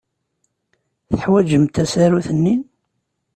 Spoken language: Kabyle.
Teḥwajemt tasarut-nni?